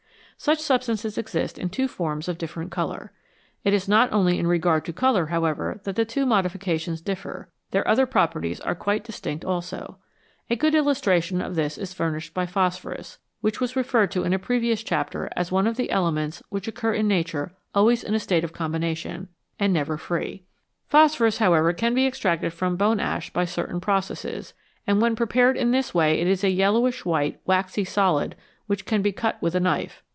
Such substances exist in two forms of different colour. It is not only in regard to colour, however, that the two modifications differ ; their other properties are quite distinct also. A good illustra tion of this is furnished by phosphorus, which was referred to in a previous chapter as one of the elements which occur in nature always in a state of combination, and 50 ELEMENTS WITH DOUBLE IDENTITY never free. Phosphorus, however, can be extracted from bone ash by certain processes, and when prepared in this way it is a yellowish white, waxy solid which can be cut with a knife.